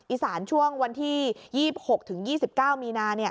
อีสานช่วงวันที่๒๖๒๙มีนา